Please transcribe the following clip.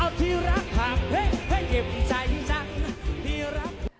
เอาที่รักหากเพลิงให้เก็บใจจัง